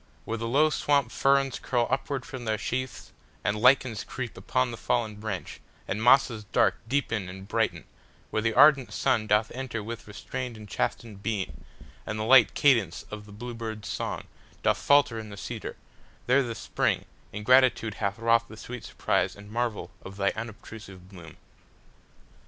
Where the low swamp fernsCurl upward from their sheaths, and lichens creepUpon the fallen branch, and mosses darkDeepen and brighten, where the ardent sunDoth enter with restrained and chastened beam, And the light cadence of the blue bird's songDoth falter in the cedar,—there the SpringIn gratitude hath wrought the sweet surpriseAnd marvel of thy unobtrusive bloom.